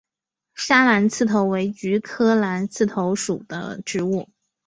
砂蓝刺头为菊科蓝刺头属的植物。